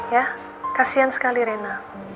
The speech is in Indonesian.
ya kasihan sekali rena